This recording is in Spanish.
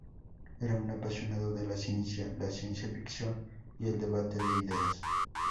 Era un apasionado de la ciencia, la ciencia ficción y el debate de ideas.